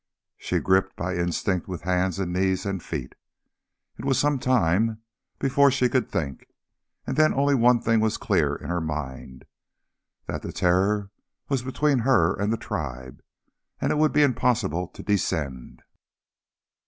She gripped by instinct with hands and knees and feet. It was some time before she could think, and then only one thing was clear in her mind, that the Terror was between her and the tribe that it would be impossible to descend.